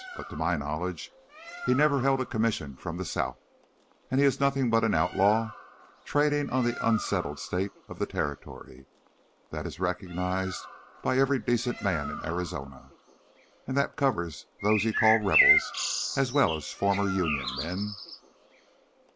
But to my knowledge he never held a commission from the South, and he is nothing but an outlaw trading on the unsettled state of the territory. That is recognized by every decent man in Arizona. And that covers those you call 'Rebels' as well as former Union men."